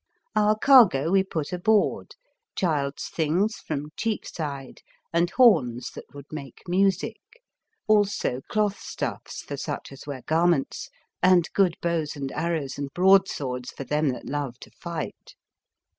Our cargo we put aboard: child's things from Chepeside, and horns that would make music; also cloth stuffs for such as wear garments, and good bows and arrows and broadswords for them that love to fight.